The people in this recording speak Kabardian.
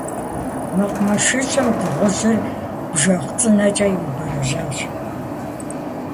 Мэкъумэшыщӏэм дыгъужьыр бжэгъу цӏынэкӏэ иубэрэжьащ.